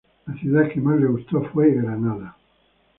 La ciudad que más le gustó fue Granada.